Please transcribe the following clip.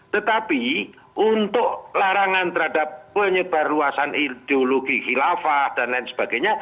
tetapi untuk larangan terhadap penyebar luasan ideologi khilafah dan lain sebagainya